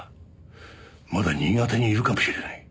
まだ新潟にいるかもしれない。